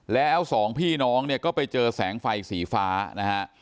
แล้วสองพี่น้องเนี่ยก็ไปเจอแสงไฟสีฟ้านะฮะ